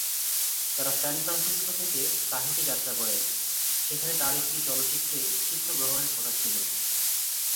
তারা San Francisco থেকে Tahiti যাত্রা করেন, সেখানে তার একটি চলচ্চিত্রের চিত্র গ্রহণের কথা ছিল।